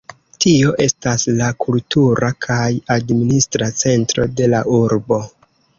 Tio estas la kultura kaj administra centro de la urbo.